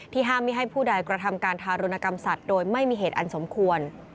ห้ามไม่ให้ผู้ใดกระทำการทารุณกรรมสัตว์โดยไม่มีเหตุอันสมควร